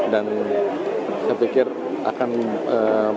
dan saya pikir akan berhasil